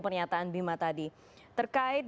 pernyataan bima tadi terkait